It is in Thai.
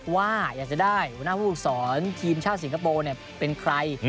ว่าอยากจะได้หัวหน้าผู้ฝึกสอนทีมชาติสิงคโปร์เป็นใคร